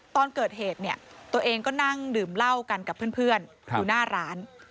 ตอนเกิดเหตุเนี่ยตัวเองก็นั่งดื่มเหล้ากันกับเพื่อนอยู่หน้าร้าน